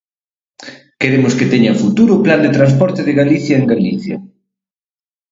Queremos que teña futuro o Plan de transporte de Galicia en Galicia.